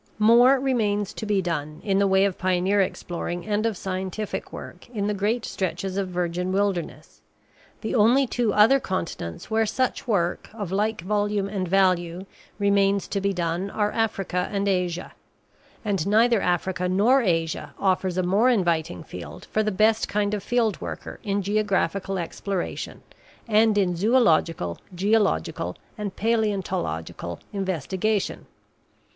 More remains to be done, in the way of pioneer exploring and of scientific work, in the great stretches of virgin wilderness. The only two other continents where such work, of like volume and value, remains to be done are Africa and Asia; and neither Africa nor Asia offers a more inviting field for the best kind of field worker in geographical exploration and in zoological, geological, and paleontological investigation.